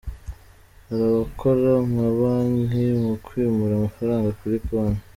Hari abakora nka banki mu kwimura amafaranga kuri konti.